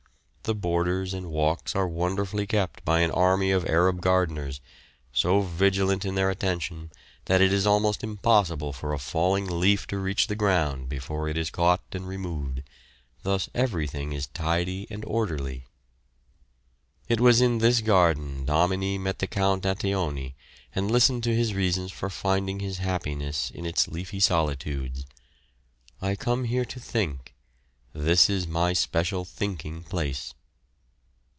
The borders and walks are wonderfully kept by an army of Arab gardeners, so vigilant in their attention that it is almost impossible for a falling leaf to reach the ground before it is caught and removed; thus everything is tidy and orderly. It was in this garden Domini met the Count Anteoni and listened to his reasons for finding his happiness in its leafy solitudes: "I come here to think; this is my special thinking place."